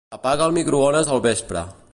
Apaga el microones al vespre.